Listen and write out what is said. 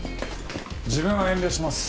自分は遠慮します。